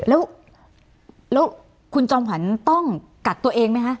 แล้วคุณจอมขวัญต้องกักตัวเองไหมคะ